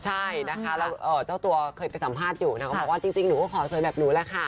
ใช่นะคะแล้วเจ้าตัวเคยไปสัมภาษณ์อยู่นะคะก็บอกว่าจริงหนูก็ขอสวยแบบหนูแหละค่ะ